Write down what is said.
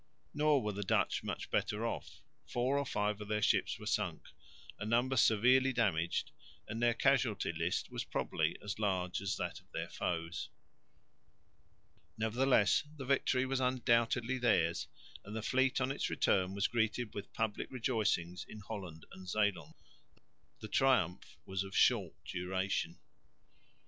Nor were the Dutch much better off. Four or five of their ships were sunk, a number severely damaged, and their casualty list was probably as large as that of their foes. Nevertheless the victory was undoubtedly theirs; and the fleet on its return was greeted with public rejoicings in Holland and Zeeland. The triumph was of short duration.